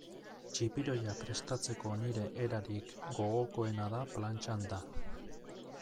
Txipiroia prestatzeko nire erarik gogokoena da plantxan da.